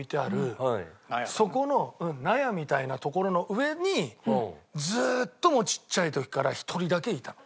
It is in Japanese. そこの納屋みたいなところの上にずーっともうちっちゃい時から１人だけいたの。